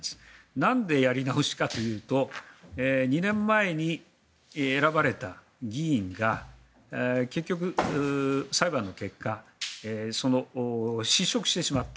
なんで、やり直しかというと２年前に選ばれた議員が結局、裁判の結果失職してしまった。